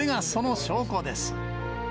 これがその証拠です。